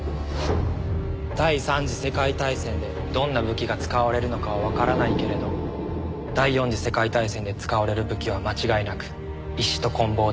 第三次世界大戦でどんな武器が使われるのかはわからないけれど第四次世界大戦で使われる武器は間違いなく石とこん棒だろう。